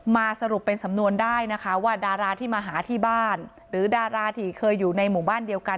สรุปเป็นสำนวนได้นะคะว่าดาราที่มาหาที่บ้านหรือดาราที่เคยอยู่ในหมู่บ้านเดียวกัน